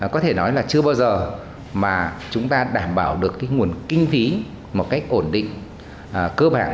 có thể nói là chưa bao giờ mà chúng ta đảm bảo được nguồn kinh phí một cách ổn định cơ bản